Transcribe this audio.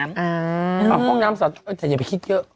ทำความสะอาดห้องน้ำแต่อย่าไปคิดเยอะ